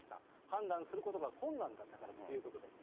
判断することが困難だったからだということです。